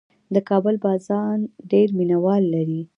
د کابل بازان ډېر مینه وال لري.